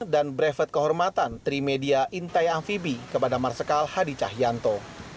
dan brevet kehormatan trimedia intai amfibi kepada marskal hadi cahyanto